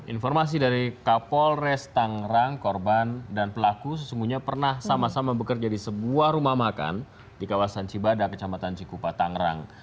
informasi dari kapolres tangerang korban dan pelaku sesungguhnya pernah sama sama bekerja di sebuah rumah makan di kawasan cibada kecamatan cikupa tangerang